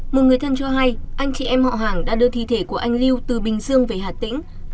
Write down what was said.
một người thân cho hay anh chị em họ hàng đã đưa thi thể của anh lưu từ bình dương về hà tĩnh